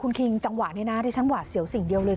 คุณคิงจังหวะนี้นะที่ฉันหวาดเสียวสิ่งเดียวเลย